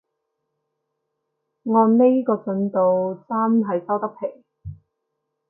按呢個進度真係收得皮